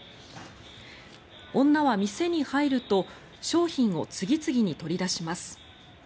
女は店に入ると商品を次々に取り出します。